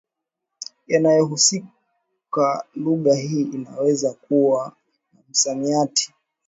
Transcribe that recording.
yanayohusika lugha hii inaweza kuwa na msamiati